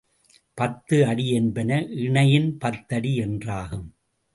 பத்து அடி என்பன இணையின் பத்தடி என்றாகும்.